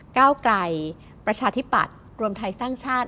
เก้าไกลประชาธิปัตย์รวมไทยสร้างชาติ